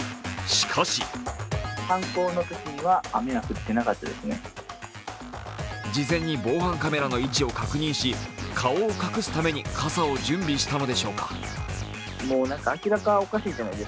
しかし事前に防犯カメラの位置を確認し顔を隠すために傘を準備したのでしょうか。